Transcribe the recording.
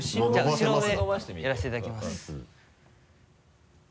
後ろでやらせていただきます。